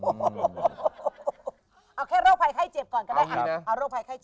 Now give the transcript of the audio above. เอาแค่โรคภัยไข้เจ็บก่อนก็ได้